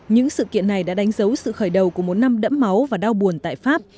những sự kiện này đã đánh dấu sự khởi đầu của một năm đẫm máu và đau buồn tại pháp